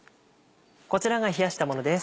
こちらが冷やしたものです。